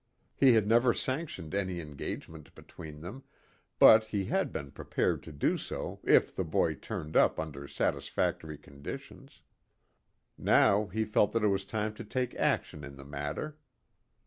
He had never sanctioned any engagement between them, but he had been prepared to do so if the boy turned up under satisfactory conditions. Now he felt that it was time to take action in the matter.